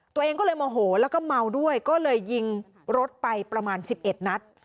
ตัวเองก็เลยโมโหแล้วก็เมาด้วยก็เลยยิงรถไปประมาณ๑๑นัด